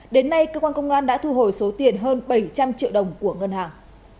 đến nay cơ quan công an đã thu hồi số tiền hơn bảy trăm linh triệu đồng của ngân hàng